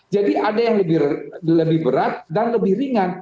jadi ada yang lebih berat dan lebih ringan